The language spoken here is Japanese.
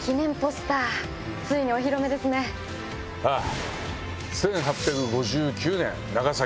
ああ。